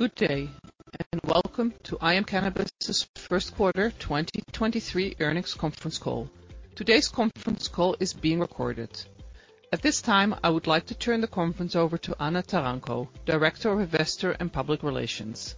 Good day, welcome to IM Cannabis's first quarter 2023 earnings conference call. Today's conference call is being recorded. At this time, I would like to turn the conference over to Anna Taranko, Director of Investor and Public Relations.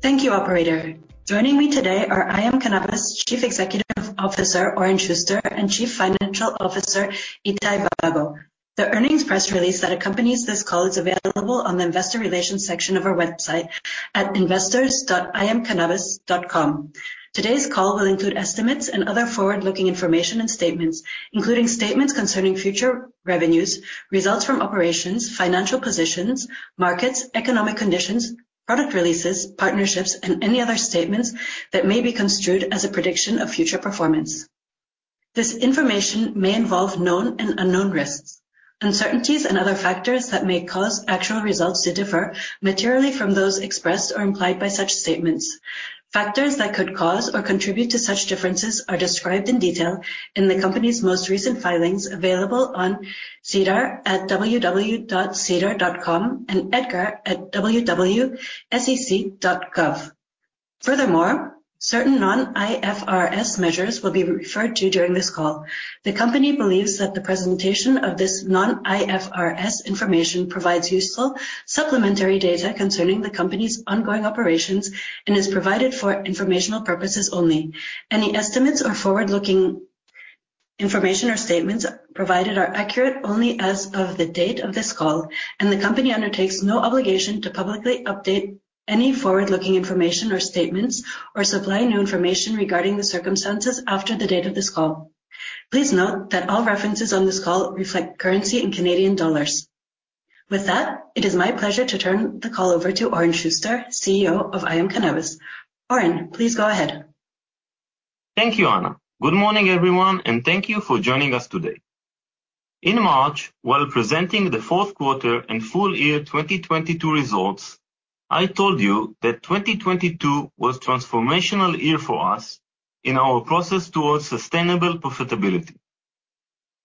Thank you, operator. Joining me today are IM Cannabis Chief Executive Officer, Oren Shuster, and Chief Financial Officer, Itay Vago. The earnings press release that accompanies this call is available on the investor relations section of our website at investors.iamcannabis.com. Today's call will include estimates and other forward-looking information and statements, including statements concerning future revenues, results from operations, financial positions, markets, economic conditions, product releases, partnerships, and any other statements that may be construed as a prediction of future performance. This information may involve known and unknown risks, uncertainties, and other factors that may cause actual results to differ materially from those expressed or implied by such statements. Factors that could cause or contribute to such differences are described in detail in the company's most recent filings, available on SEDAR at www.sedar.com and EDGAR at www.sec.gov. Furthermore, certain non-IFRS measures will be referred to during this call. The company believes that the presentation of this non-IFRS information provides useful supplementary data concerning the company's ongoing operations and is provided for informational purposes only. Any estimates or forward-looking information or statements provided are accurate only as of the date of this call. The company undertakes no obligation to publicly update any forward-looking information or statements or supply new information regarding the circumstances after the date of this call. Please note that all references on this call reflect currency in Canadian dollars. With that, it is my pleasure to turn the call over to Oren Shuster, CEO of IM Cannabis. Oren, please go ahead. Thank you, Anna. Good morning, everyone, and thank you for joining us today. In March, while presenting the fourth quarter and full year 2022 results, I told you that 2022 was transformational year for us in our process towards sustainable profitability.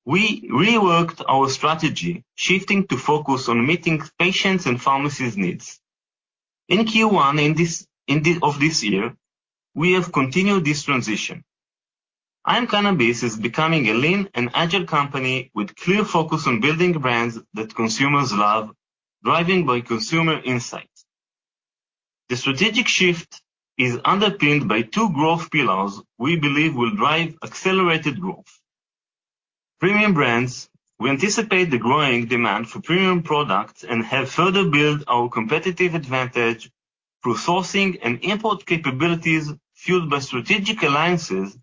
We reworked our strategy, shifting to focus on meeting patients and pharmacies needs. In Q1 of this year, we have continued this transition. IM Cannabis is becoming a lean and agile company with clear focus on building brands that consumers love, driving by consumer insights. The strategic shift is underpinned by two growth pillars we believe will drive accelerated growth. Premium brands, we anticipate the growing demand for premium products and have further built our competitive advantage through sourcing and import capabilities, fueled by strategic alliances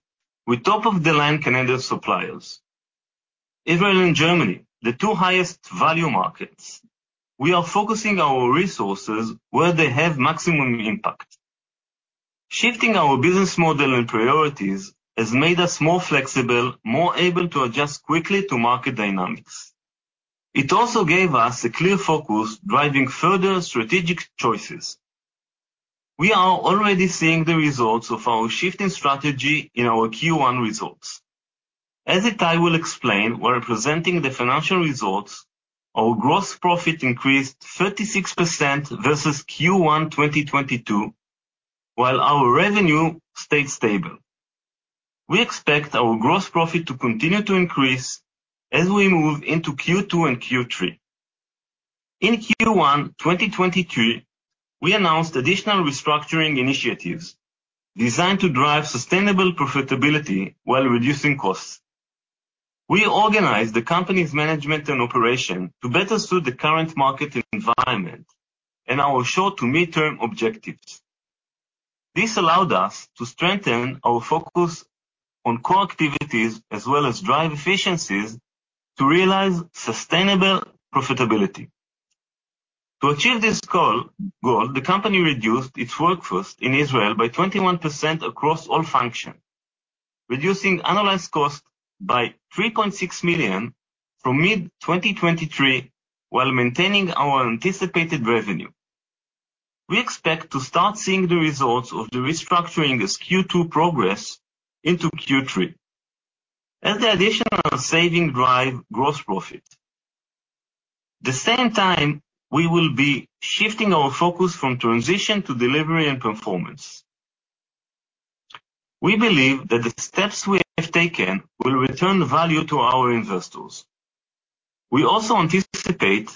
with top of the line Canadian suppliers. Israel and Germany, the two highest value markets, we are focusing our resources where they have maximum impact. Shifting our business model and priorities has made us more flexible, more able to adjust quickly to market dynamics. It also gave us a clear focus, driving further strategic choices. We are already seeing the results of our shifting strategy in our Q1 results. As Itay will explain, while presenting the financial results, our gross profit increased 36% versus Q1 2022, while our revenue stayed stable. We expect our gross profit to continue to increase as we move into Q2 and Q3. In Q1 2023, we announced additional restructuring initiatives designed to drive sustainable profitability while reducing costs. We organized the company's management and operation to better suit the current market environment and our short to mid-term objectives. This allowed us to strengthen our focus on core activities as well as drive efficiencies to realize sustainable profitability. To achieve this goal, the company reduced its workforce in Israel by 21% across all functions, reducing annualized costs by 3.6 million from mid-2023, while maintaining our anticipated revenue. We expect to start seeing the results of the restructuring this Q2 progress into Q3 as the additional savings drive gross profit. The same time, we will be shifting our focus from transition to delivery and performance. We believe that the steps we have taken will return value to our investors. We also anticipate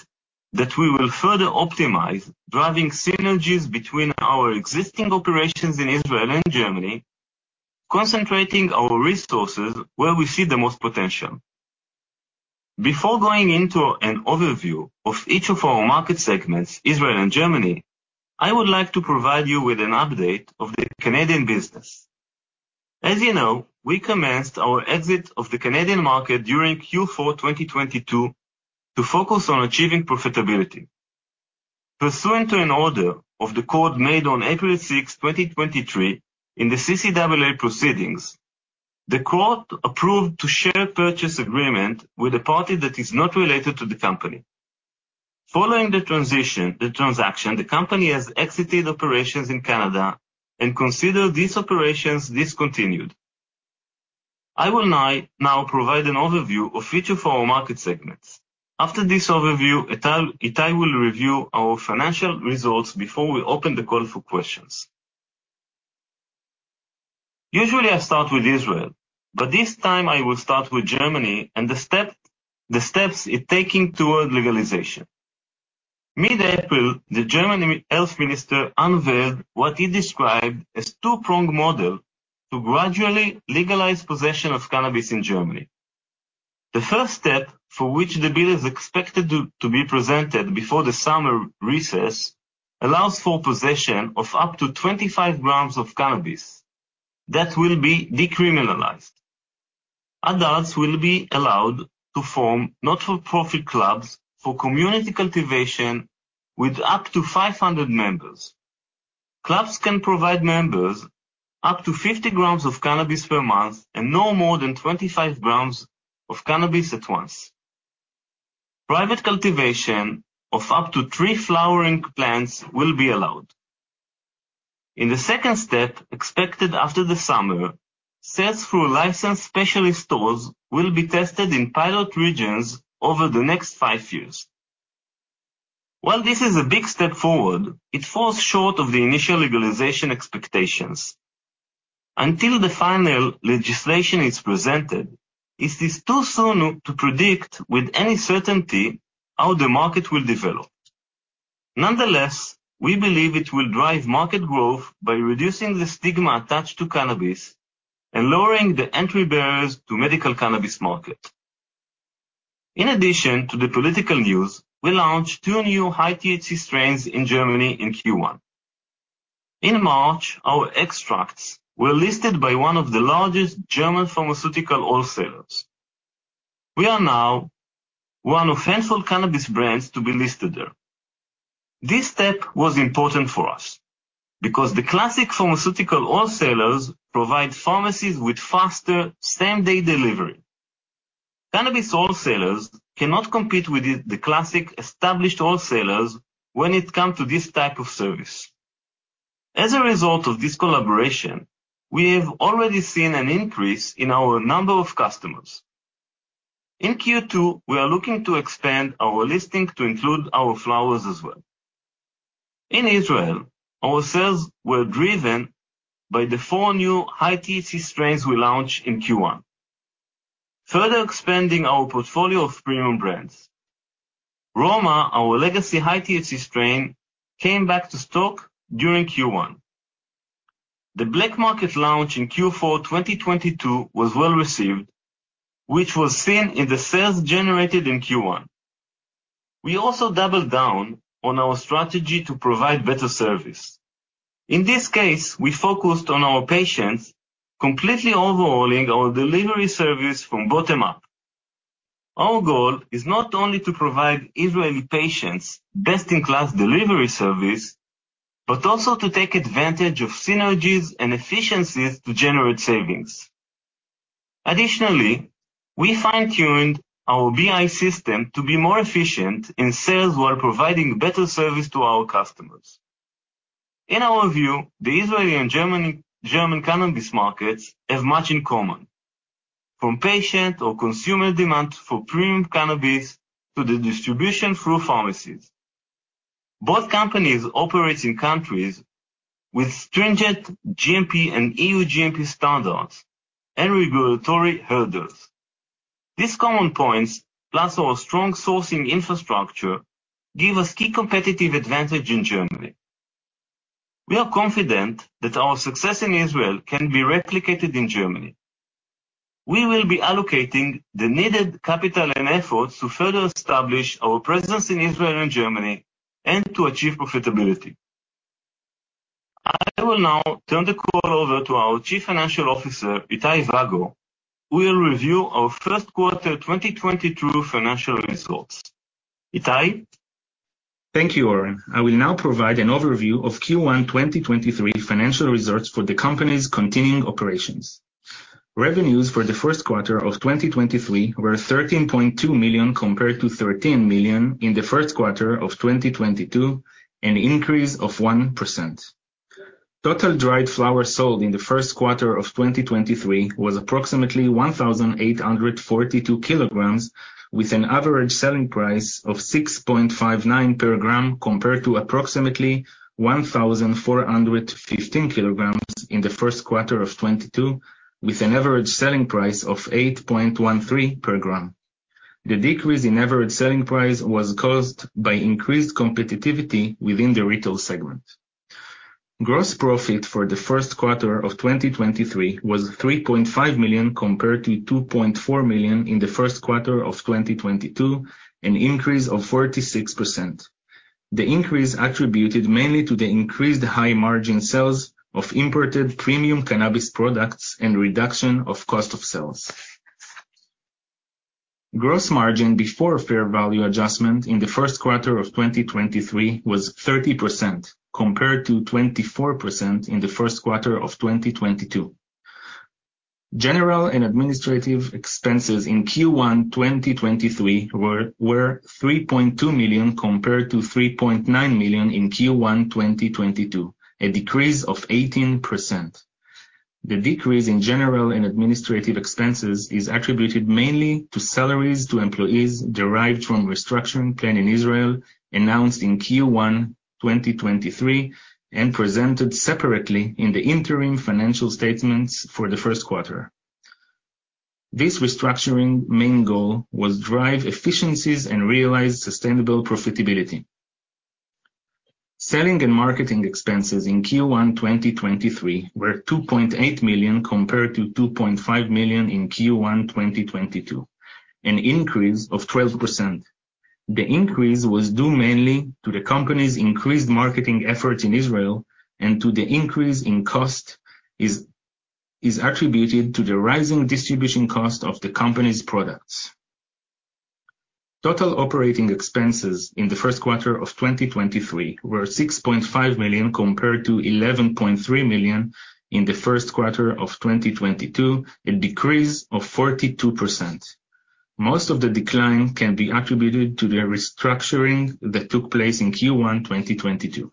that we will further optimize driving synergies between our existing operations in Israel and Germany, concentrating our resources where we see the most potential. Before going into an overview of each of our market segments, Israel and Germany, I would like to provide you with an update of the Canadian business. As you know, we commenced our exit of the Canadian market during Q4 2022 to focus on achieving profitability. Pursuant to an order of the court made on April 6, 2023 in the CCAA proceedings, the court approved to share purchase agreement with a party that is not related to the company. Following the transaction, the company has exited operations in Canada and considered these operations discontinued. I will now provide an overview of each of our market segments. After this overview, Itay Vago will review our financial results before we open the call for questions. Usually, I start with Israel, but this time I will start with Germany and the steps it's taking toward legalization. Mid-April, the German Health Minister unveiled what he described as two-pronged model to gradually legalize possession of cannabis in Germany. The first step, for which the bill is expected to be presented before the summer recess, allows for possession of up to 25 grams of cannabis. That will be decriminalized. Adults will be allowed to form not-for-profit clubs for community cultivation with up to 500 members. Clubs can provide members up to 50 grams of cannabis per month and no more than 25 grams of cannabis at once. Private cultivation of up to three flowering plants will be allowed. In the second step, expected after the summer, sales through licensed specialty stores will be tested in pilot regions over the next five years. While this is a big step forward, it falls short of the initial legalization expectations. Until the final legislation is presented, it is too soon to predict with any certainty how the market will develop. We believe it will drive market growth by reducing the stigma attached to cannabis and lowering the entry barriers to medical cannabis market. In addition to the political news, we launched two new high-THC strains in Germany in Q1. In March, our extracts were listed by one of the largest German pharmaceutical wholesalers. We are now one of handful cannabis brands to be listed there. This step was important for us because the classic pharmaceutical wholesalers provide pharmacies with faster same-day delivery. Cannabis wholesalers cannot compete with the classic established wholesalers when it comes to this type of service. As a result of this collaboration, we have already seen an increase in our number of customers. In Q2, we are looking to expand our listing to include our flowers as well. In Israel, our sales were driven by the four new high-THC strains we launched in Q1, further expanding our portfolio of premium brands. Roma, our legacy high-THC strain, came back to stock during Q1. The black market launch in Q4 2022 was well-received, which was seen in the sales generated in Q1. We also doubled down on our strategy to provide better service. In this case, we focused on our patients, completely overhauling our delivery service from bottom up. Our goal is not only to provide Israeli patients best-in-class delivery service, but also to take advantage of synergies and efficiencies to generate savings. Additionally, we fine-tuned our BI system to be more efficient in sales while providing better service to our customers. In our view, the Israeli and German cannabis markets have much in common, from patient or consumer demand for premium cannabis to the distribution through pharmacies. Both companies operate in countries with stringent GMP and EU GMP standards and regulatory hurdles. These common points, plus our strong sourcing infrastructure, give us key competitive advantage in Germany. We are confident that our success in Israel can be replicated in Germany. We will be allocating the needed capital and efforts to further establish our presence in Israel and Germany and to achieve profitability. I will now turn the call over to our Chief Financial Officer, Itay Vago, who will review our first quarter 2022 financial results. Itay? Thank you, Oren. I will now provide an overview of Q1 2023 financial results for the company's continuing operations. Revenues for the first quarter of 2023 were 13.2 million, compared to 13 million in the first quarter of 2022, an increase of 1%. Total dried flowers sold in the first quarter of 2023 was approximately 1,842 kilograms, with an average selling price of 6.59 per gram, compared to approximately 1,415 kilograms in the first quarter of 2022, with an average selling price of 8.13 per gram. The decrease in average selling price was caused by increased competitivity within the retail segment. Gross profit for the first quarter of 2023 was 3.5 million, compared to 2.4 million in the first quarter of 2022, an increase of 46%. The increase attributed mainly to the increased high-margin sales of imported premium cannabis products and reduction of cost of sales. Gross margin before fair value adjustment in the first quarter of 2023 was 30%, compared to 24% in the first quarter of 2022. General and administrative expenses in Q1 2023 were 3.2 million, compared to 3.9 million in Q1 2022, a decrease of 18%. The decrease in general and administrative expenses is attributed mainly to salaries to employees derived from restructuring plan in Israel announced in Q1 2023, and presented separately in the interim financial statements for the first quarter. This restructuring main goal was drive efficiencies and realize sustainable profitability. Selling and marketing expenses in Q1 2023 were 2.8 million, compared to 2.5 million in Q1 2022, an increase of 12%. The increase was due mainly to the company's increased marketing efforts in Israel and to the increase in cost is attributed to the rising distribution cost of the company's products. Total operating expenses in the first quarter of 2023 were 6.5 million, compared to 11.3 million in the first quarter of 2022, a decrease of 42%. Most of the decline can be attributed to the restructuring that took place in Q1 2022.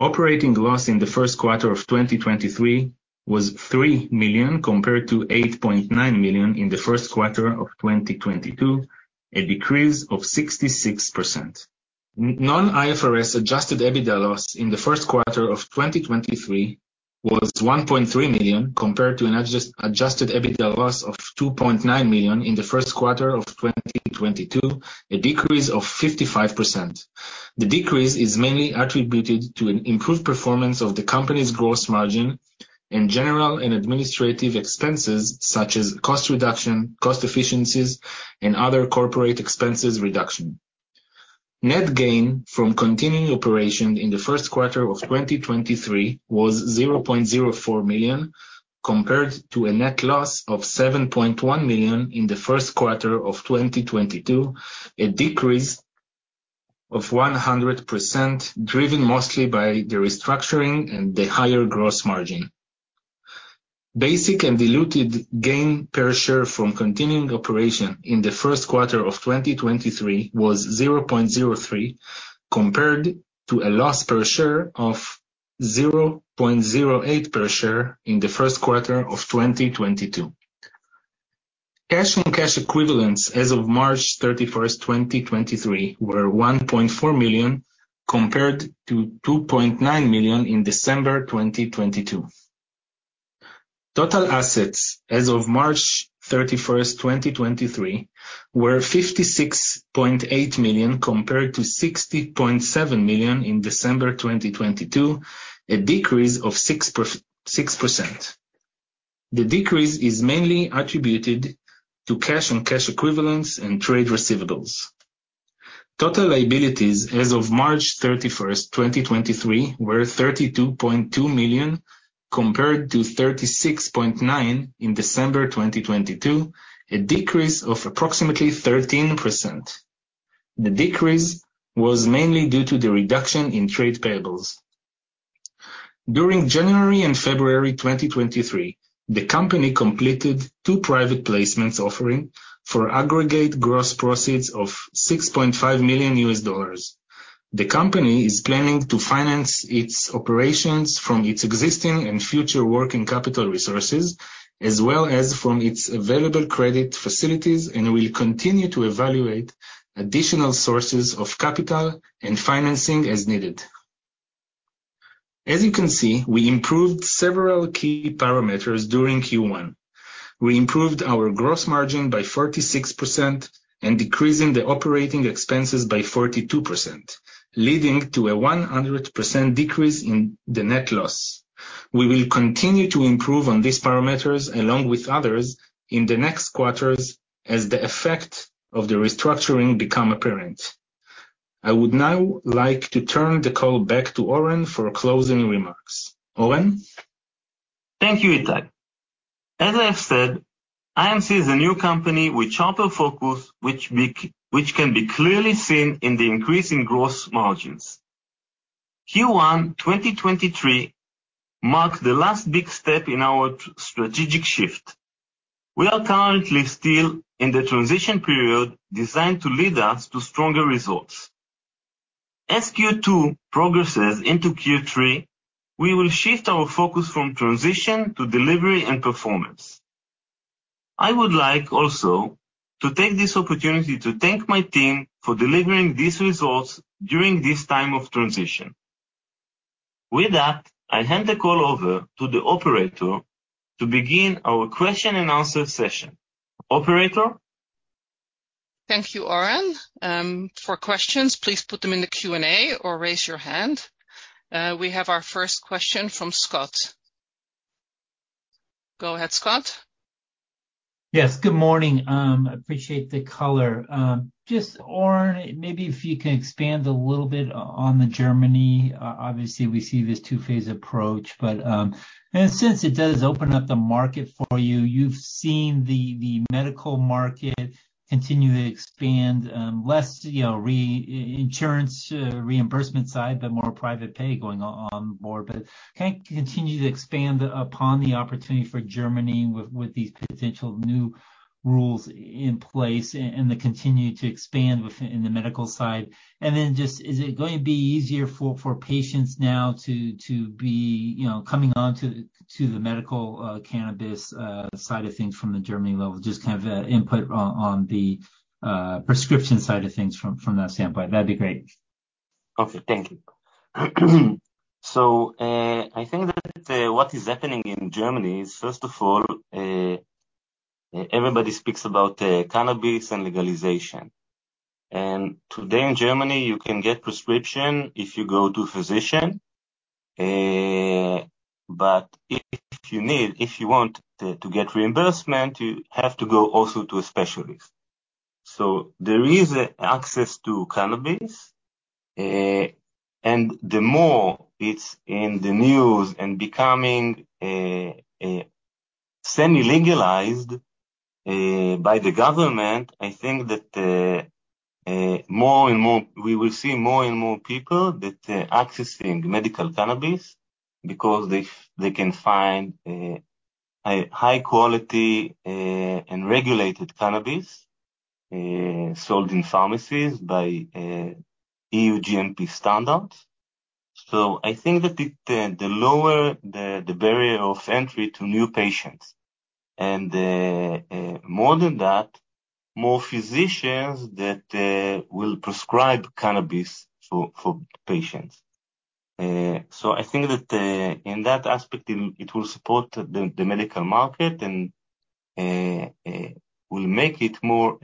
Operating loss in the first quarter of 2023 was 3 million compared to 8.9 million in the first quarter of 2022, a decrease of 66%. Non-IFRS adjusted EBITDA loss in the first quarter of 2023 was 1.3 million compared to an adjusted EBITDA loss of 2.9 million in the first quarter of 2022, a decrease of 55%. The decrease is mainly attributed to an improved performance of the company's gross margin and general and administrative expenses, such as cost reduction, cost efficiencies, and other corporate expenses reduction. Net gain from continuing operation in the first quarter of 2023 was 0.04 million, compared to a net loss of 7.1 million in the first quarter of 2022, a decrease of 100%, driven mostly by the restructuring and the higher gross margin. Basic and diluted gain per share from continuing operation in the first quarter of 2023 was 0.03, compared to a loss per share of 0.08 per share in the first quarter of 2022. Cash and cash equivalents as of March 31, 2023 were 1.4 million, compared to 2.9 million in December 2022. Total assets as of March 31, 2023 were 56.8 million compared to 60.7 million in December 2022, a decrease of 6%. The decrease is mainly attributed to cash and cash equivalents and trade receivables. Total liabilities as of March 31, 2023 were 32.2 million compared to 36.9 million in December 2022, a decrease of approximately 13%. The decrease was mainly due to the reduction in trade payables. During January and February 2023, the company completed two private placements offering for aggregate gross proceeds of $6.5 million U.S. dollars. The company is planning to finance its operations from its existing and future working capital resources, as well as from its available credit facilities, and will continue to evaluate additional sources of capital and financing as needed. As you can see, we improved several key parameters during Q1. We improved our gross margin by 46% and decreasing the operating expenses by 42%, leading to a 100% decrease in the net loss. We will continue to improve on these parameters, along with others, in the next quarters as the effect of the restructuring become apparent. I would now like to turn the call back to Oren for closing remarks. Oren? Thank you, Itay. As I have said, IMC is a new company with sharper focus, which can be clearly seen in the increasing gross margins. Q1 2023 marked the last big step in our strategic shift. We are currently still in the transition period designed to lead us to stronger results. As Q2 progresses into Q3, we will shift our focus from transition to delivery and performance. I would like also to take this opportunity to thank my team for delivering these results during this time of transition. With that, I hand the call over to the operator to begin our question and answer session. Operator? Thank you, Oren. For questions, please put them in the Q&A or raise your hand. We have our first question from Scott. Go ahead, Scott. Yes, good morning. Appreciate the color. Just Oren, maybe if you can expand a little bit on the Germany. Obviously we see this two-phase approach, but since it does open up the market for you've seen the medical market continue to expand, less, you know, re-insurance, reimbursement side, but more private pay going onboard. Can you continue to expand upon the opportunity for Germany with these potential new rules in place and the continue to expand with, in the medical side? Just, is it going to be easier for patients now to be, you know, coming on to the medical cannabis side of things from the Germany level? Just kind of input on the prescription side of things from that standpoint. That'd be great. Okay, thank you. I think that what is happening in Germany is, first of all, everybody speaks about cannabis and legalization. Today in Germany, you can get prescription if you go to a physician, but if you want to get reimbursement, you have to go also to a specialist. There is access to cannabis, and the more it's in the news and becoming semi-legalized by the government, I think that we will see more and more people that are accessing medical cannabis because they can find a high quality and regulated cannabis sold in pharmacies by EU GMP standards. I think that it, the lower the barrier of entry to new patients. More than that, more physicians that will prescribe cannabis for patients. I think that in that aspect, it will support the medical market and will make it more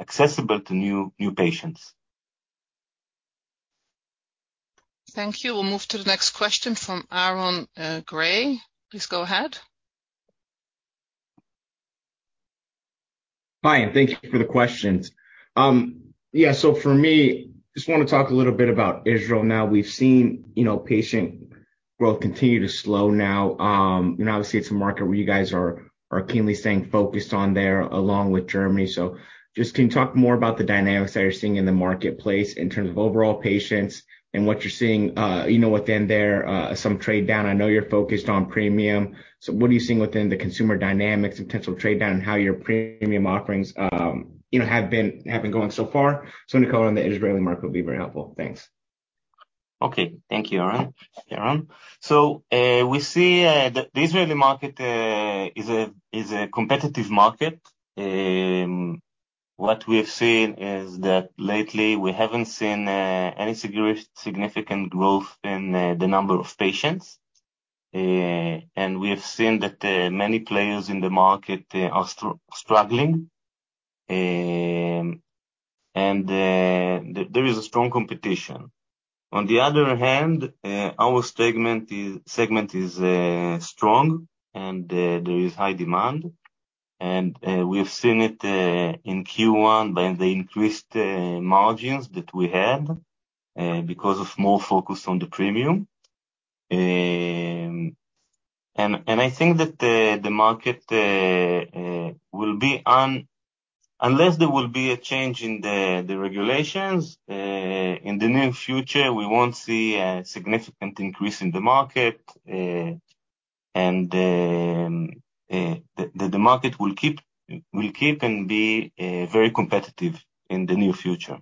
accessible to new patients. Thank you. We'll move to the next question from Aaron Grey. Please go ahead. Hi, thank you for the questions. Yeah, for me, just wanna talk a little bit about Israel now. We've seen, you know, patient growth continue to slow now. You know, obviously, it's a market where you guys are keenly staying focused on there, along with Germany. Just can you talk more about the dynamics that you're seeing in the marketplace in terms of overall patients and what you're seeing, you know, within there, some trade down? I know you're focused on premium. What are you seeing within the consumer dynamics and potential trade down and how your premium offerings, you know, have been going so far? Any color on the Israeli market would be very helpful. Thanks. Okay. Thank you, Aaron. We see the Israeli market is a competitive market. What we have seen is that lately we haven't seen any significant growth in the number of patients. We have seen that many players in the market are struggling, there is a strong competition. On the other hand, our segment is strong, there is high demand. We've seen it in Q1 by the increased margins that we had because of more focus on the premium. I think that the market will be unless there will be a change in the regulations in the near future, we won't see a significant increase in the market, and the market will keep and be very competitive in the near future.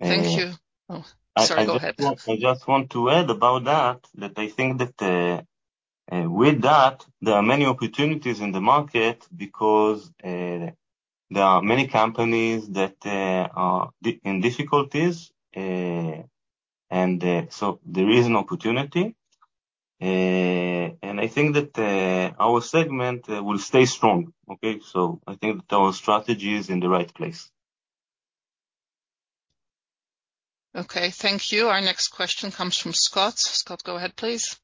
Thank you. Oh, sorry, go ahead. I just want to add about that I think that, with that, there are many opportunities in the market because there are many companies that are in difficulties. There is an opportunity. I think that our segment will stay strong. Okay. I think that our strategy is in the right place. Okay, thank you. Our next question comes from Scott. Scott, go ahead, please.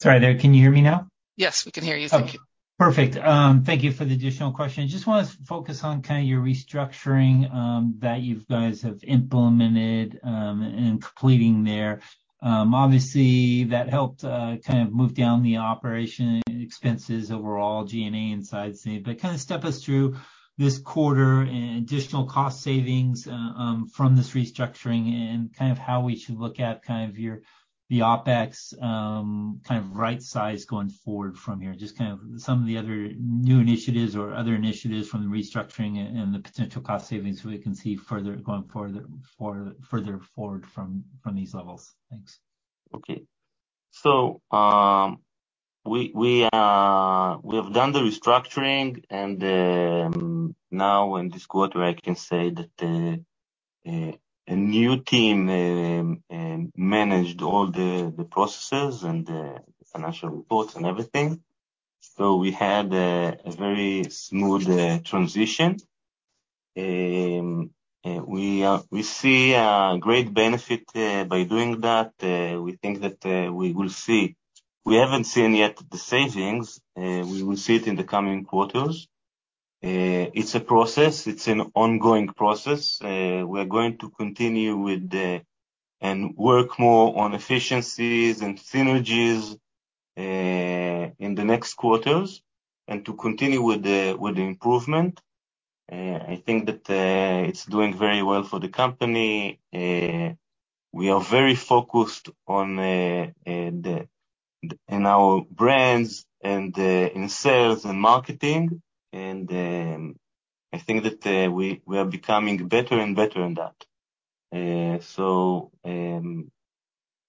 Sorry there. Can you hear me now? Yes, we can hear you. Thank you. Okay. Perfect. Thank you for the additional question. Just wanna focus on kind of your restructuring, that you guys have implemented, and completing there. Obviously, that helped, kind of move down the operation expenses overall, G&A and side scene. Kind of step us through this quarter and additional cost savings from this restructuring and kind of how we should look at kind of your, the OpEx, kind of right size going forward from here. Just kind of some of the other new initiatives or other initiatives from the restructuring and the potential cost savings we can see further, going further forward from these levels. Thanks. Okay. We have done the restructuring and, now in this quarter, I can say that a new team managed all the processes and the financial reports and everything. We had a very smooth transition. We see a great benefit by doing that. We think that we will see. We haven't seen yet the savings. We will see it in the coming quarters. It's a process. It's an ongoing process. We're going to continue with the and work more on efficiencies and synergies in the next quarters and to continue with the improvement. I think that it's doing very well for the company. We are very focused on, the. in our brands and in sales and marketing, and I think that we are becoming better and better in that.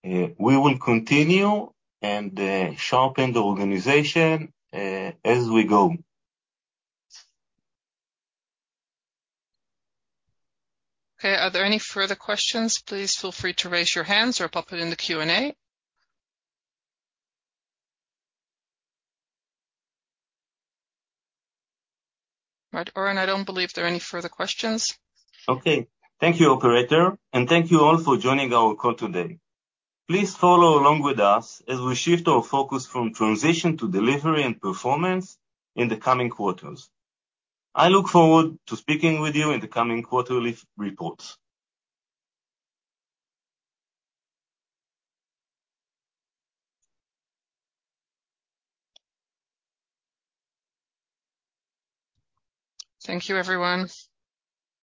We will continue and sharpen the organization as we go. Okay. Are there any further questions? Please feel free to raise your hands or pop it in the Q&A. Right. Oren, I don't believe there are any further questions. Okay. Thank you, operator, and thank you all for joining our call today. Please follow along with us as we shift our focus from transition to delivery and performance in the coming quarters. I look forward to speaking with you in the coming quarterly reports. Thank you, everyone.